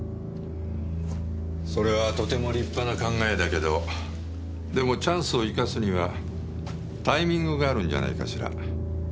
それはとても立派な考えだけどでもチャンスを生かすにはタイミングがあるんじゃないかしら。